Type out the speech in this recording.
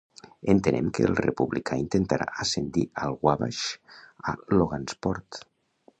Entenem que el republicà intentarà ascendir al Wabash a Logansport.